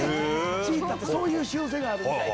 チーターってそういう習性があるみたいで。